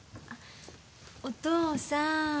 お父さーん